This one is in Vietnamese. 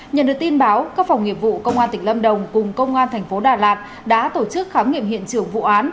nhận được tin báo các phòng nghiệp vụ công an tỉnh lâm đồng cùng công an thành phố đà lạt đã tổ chức khám nghiệm hiện trường vụ án